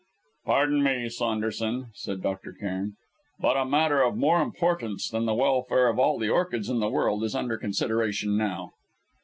"Pardon me, Saunderson," said Dr. Cairn, "but a matter of more importance than the welfare of all the orchids in the world is under consideration now."